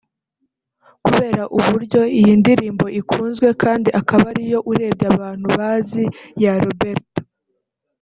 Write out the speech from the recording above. Kubera uburyo iyi ndirimbo ikunzwe kandi akaba ariyo urebye abantu bazi ya Roberto